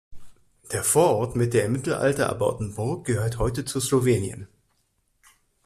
Der Vorort mit der im Mittelalter erbauten Burg gehört heute zu Slowenien.